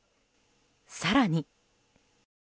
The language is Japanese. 更に。